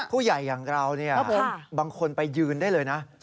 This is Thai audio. ผู้ใหญ่อย่างเราเนี่ยบางคนไปยืนได้เลยนะ